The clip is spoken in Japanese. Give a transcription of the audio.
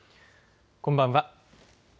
こんばんは。